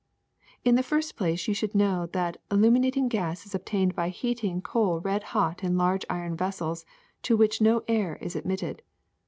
*'In the first place you should know that illuminat ing gas is obtained by heating coal red hot, in large iron vessels to which no air is admitted.